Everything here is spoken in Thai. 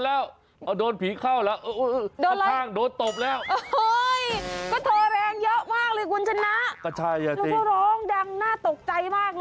แล้วก็ร้องดังน่าตกใจมากเลย